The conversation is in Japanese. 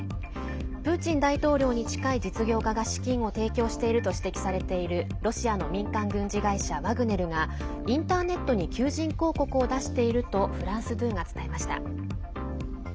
プーチン大統領に近い実業家が資金を提供していると指摘されているロシアの民間軍事会社ワグネルがインターネットに求人広告を出しているとフランス２が伝えました。